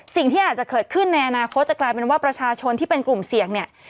สิ่งที่อาจจะเกิดขึ้นในอนาคตจะกลายเป็นว่าประชาชนที่เป็นกลุ่มเสี่ยงเนี่ย